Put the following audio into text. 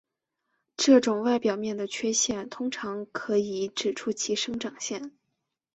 这种外表面的缺陷通常可以指出其生长线。